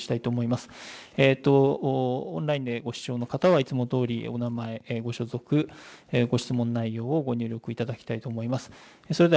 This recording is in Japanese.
オンラインでご視聴の方は、いつもどおり、お名前、ご所属、ご質問内容をご入力いただきたいと思います。